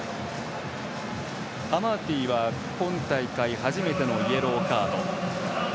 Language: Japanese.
アマーティは今大会初めてのイエローカード。